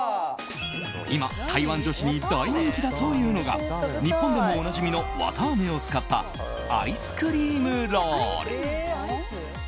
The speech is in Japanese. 今、台湾女子に大人気だというのが日本でもおなじみの綿あめを使ったアイスクリームロール。